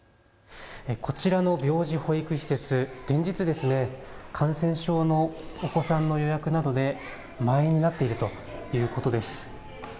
こちらの病児保育施設、連日、感染症のお子さんの予約などで満員になっているということです。